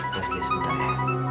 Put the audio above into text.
saskia sebentar ya